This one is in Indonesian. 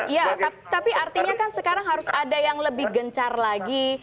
ya tapi artinya kan sekarang harus ada yang lebih gencar lagi